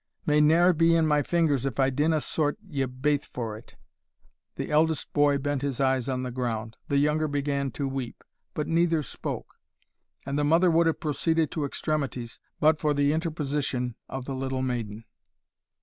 May ne'er be in my fingers, if I dinna sort ye baith for it!" The eldest boy bent his eyes on the ground, the younger began to weep, but neither spoke; and the mother would have proceeded to extremities, but for the interposition of the little maiden.